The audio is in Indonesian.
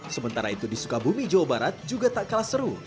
sementara itu di sukabumi jawa barat juga tak kalah seru